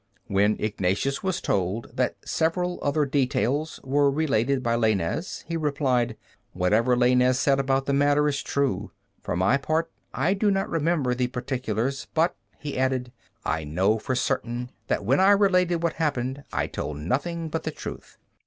When Ignatius was told that several other details were related by Laynez, he replied: "Whatever Laynez said about the matter is true. For my part, I do not remember the particulars; but," he added, "I know for certain that when I related what happened I told nothing but the truth."